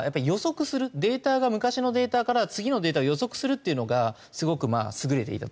データが昔のデータから次のデータを予測するっていうのがすごく優れていたと。